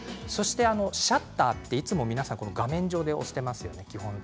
シャッターっていつも皆さん画面上で基本的に押しますよね